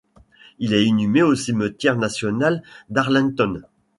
Il est inhumé au cimetière national d'Arlington.